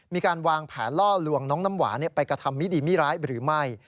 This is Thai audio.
มีการวางแผนล่อลวงน้องน้ำหวานไปกระทำมิดีมิร้ายหรือไม่